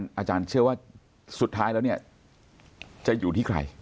อาจารย์เชื่อว่าสุดท้ายแล้วเนี่ยจะอยู่ที่ใคร